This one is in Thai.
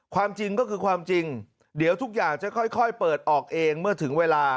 ความจริงก็คือความจริงเดี๋ยวทุกอย่างจะค่อยเปิดออกเองเมื่อถึงเวลา